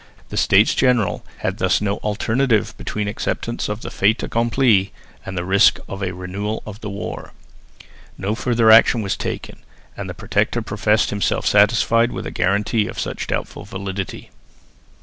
The States General had thus no alternative between acceptance of the fait accompli and the risk of a renewal of the war. No further action was taken, and the Protector professed himself satisfied with a guarantee of such doubtful validity.